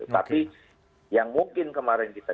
tapi yang mungkin kemarin kita